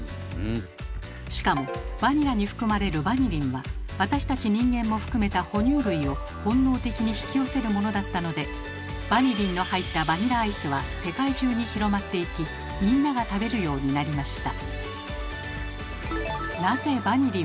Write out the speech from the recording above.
しかもバニラに含まれるバニリンは私たち人間も含めた哺乳類を本能的に引き寄せるものだったのでバニリンの入ったバニラアイスは世界中に広まっていきみんなが食べるようになりました。